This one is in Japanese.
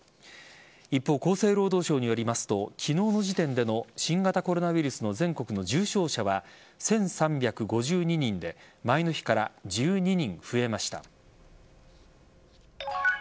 一方、厚生労働省によりますと昨日の時点での新型コロナウイルスの全国の重症者は１３５２人で前の日から１２人増えました。